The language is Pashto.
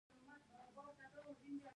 د ناروغیو په وړاندې مقاوم تخمونه پکار دي.